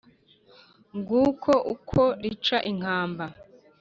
Nguko ukwo rica inkamba,